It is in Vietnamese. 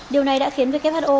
điều này đã khiến who